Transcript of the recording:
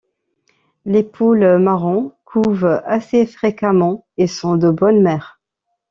Les poules Marans couvent assez fréquemment et sont de bonnes mères.